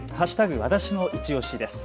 わたしのいちオシです。